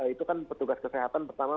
itu kan petugas kesehatan pertama